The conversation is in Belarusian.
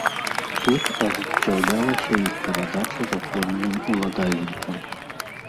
Тут ажыццяўлялася іх перадача законным уладальнікам.